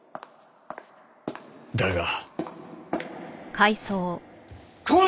だが。